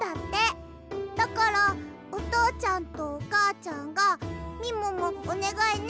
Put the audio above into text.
だからおとうちゃんとおかあちゃんが「みももおねがいね」